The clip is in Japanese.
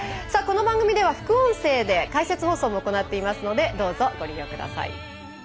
この番組では副音声で解説放送も行っていますのでどうぞ、ご利用ください。